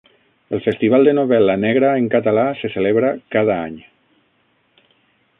El festival de novel·la negra en català se celebra cada any